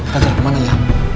kanjeng kemana ya